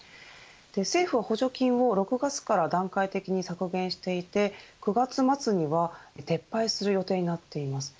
政府は補助金を６月から段階的に削減していて９月末には撤廃する予定になっています。